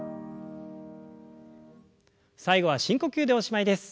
最後は深呼吸でおしまいです。